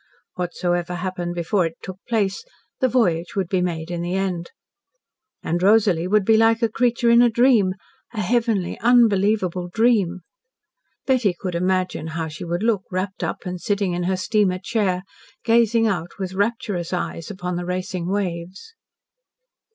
Whatsoever happened before it took place, the voyage would be made in the end. And Rosalie would be like a creature in a dream a heavenly, unbelievable dream. Betty could imagine how she would look wrapped up and sitting in her steamer chair, gazing out with rapturous eyes upon the racing waves.